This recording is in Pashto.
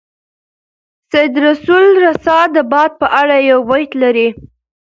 سید رسول رسا د باد په اړه یو بیت لري.